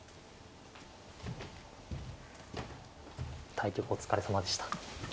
対局お疲れさまでした。